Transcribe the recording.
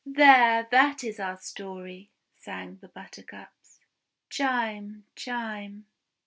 'There, that is our story!' sang the Butter cups. Chime! Chime!